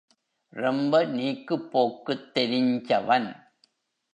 ரொம்ப நீக்குப் போக்குத் தெரிஞ்சவன்.